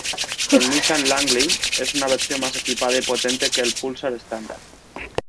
El Nissan Langley es una versión más equipada y potente que el Pulsar estándar.